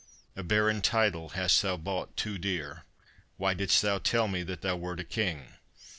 A barren title hast thou bought too dear, Why didst thou tell me that thou wert a king?